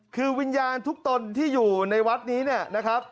คือวิญญาณทุกตนที่อยู่ในวัดนี้เนี่ยนะครับ